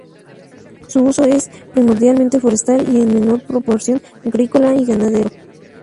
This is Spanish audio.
Su uso es primordialmente forestal y en menor proporción agrícola y ganadero.